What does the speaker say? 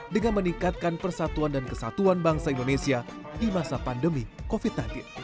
dengan meningkatkan persatuan dan kesatuan bangsa indonesia di masa pandemi covid sembilan belas